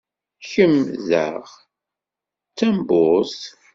Kemm daɣ d tamburt?